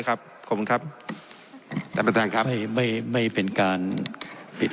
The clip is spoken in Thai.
ขอบคุณครับท่านประธานครับไม่ไม่เป็นการปิด